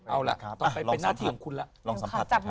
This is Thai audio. อ๊ะมันไปต่อไปเป็นหน้าที่ของคุณแล้ว